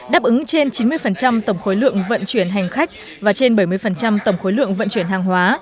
đáp ứng trên chín mươi tổng khối lượng vận chuyển hành khách và trên bảy mươi tổng khối lượng vận chuyển hàng hóa